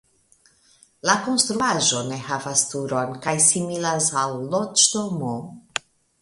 La konstruaĵo ne havas turon kaj similas al loĝdomo.